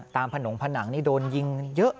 ผนงผนังนี่โดนยิงเยอะ